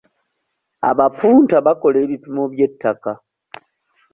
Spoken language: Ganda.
Abapunta bakola ebipimo by'ettaka.